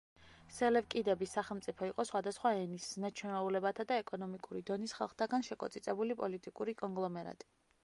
სელევკიდების სახელმწიფო იყო სხვადასხვა ენის, ზნე-ჩვეულებათა და ეკონომიკური დონის ხალხთაგან შეკოწიწებული პოლიტიკური კონგლომერატი.